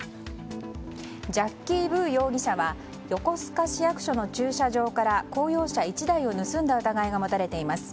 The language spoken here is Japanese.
ジャッキー・ブー容疑者は横須賀市役所の駐車場から公用車１台を盗んだ疑いが持たれています。